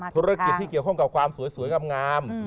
ธุรกิจที่เกี่ยวกับความสวยสวยกับงาม